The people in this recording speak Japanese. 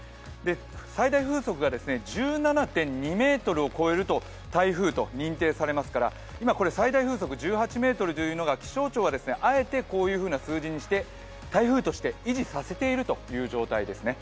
最大風速が１７．２メートルを超えると台風と認定されますから、今、最大風速１８メートルというのは気象庁はあえてこういうふうな数字にして台風として維持させているという状態ですね。